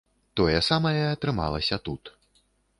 Тое самае атрымалася тут.